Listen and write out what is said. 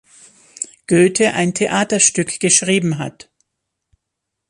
Goethe ein Theaterstück geschrieben hat.